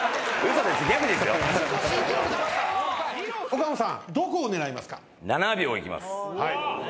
岡野さんどこを狙いますか？